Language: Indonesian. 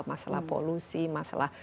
masalah polusi masalah